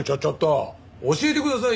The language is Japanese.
教えてくださいよ。